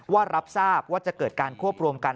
รับทราบว่าจะเกิดการควบรวมกัน